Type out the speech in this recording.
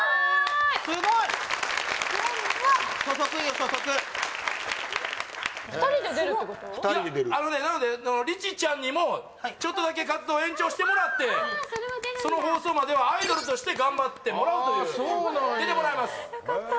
スゴい初速いいよ初速いやあのねなのでリチちゃんにもちょっとだけ活動を延長してもらってその放送まではアイドルとして頑張ってもらうという出てもらいますよかった